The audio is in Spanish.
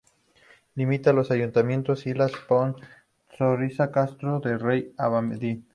Limita con los ayuntamientos de Pastoriza, Castro de Rey y Abadín.